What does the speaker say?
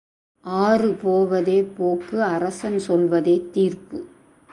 ஆறு போவதே போக்கு அரசன் சொல்வதே தீர்ப்பு.